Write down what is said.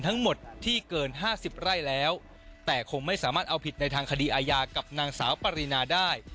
ทั้งหมดที่เกิน๕๐ไร่แล้วแต่คงไม่สามารถเอาผิดในทางคดีอาญากับนางสาวปรินาได้